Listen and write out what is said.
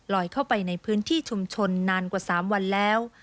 เข้าไปในพื้นที่ชุมชนนานกว่า๓วันแล้ว